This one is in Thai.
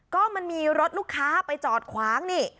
ก็มันมีรถลูกค้าไปจอดขวางนี่